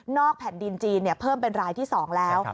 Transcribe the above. แผ่นดินจีนเพิ่มเป็นรายที่๒แล้ว